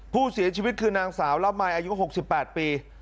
ผู้เสียชีวิตคือนางสาวละมัยอายุ๖๘ปี